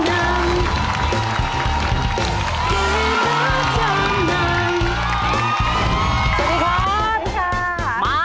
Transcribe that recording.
เกมรับจำนำ